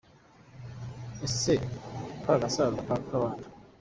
Ese kagasaza ka kabando